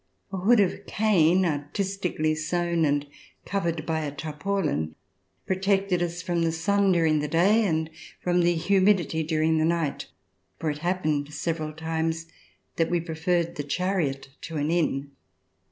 A hood of cane artistically sewn and covered by a tarpaulin protected us from the sun during the day and from the humidity during the night, for it happened several times that we preferred the chariot to an inn.